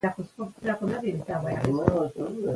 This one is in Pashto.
قال الله تبارك وتعالى فى القران المجيد: